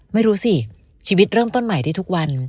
ไม่รู้สิชีวิตเริ่มต้นใหม่ได้ทุกวัน